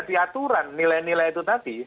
di aturan nilai nilai itu tadi